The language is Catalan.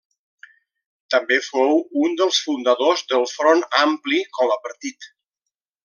També fou un dels fundadors del Front Ampli com a partit.